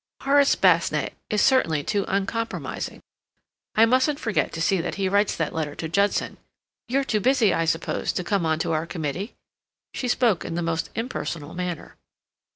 Horace Basnett is certainly too uncompromising. I mustn't forget to see that he writes that letter to Judson. You're too busy, I suppose, to come on to our committee?" She spoke in the most impersonal manner.